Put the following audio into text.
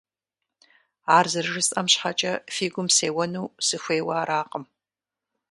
Ар зэрыжысӀэм щхьэкӀэ фи гум сеуэну сыхуейуэ аракъым…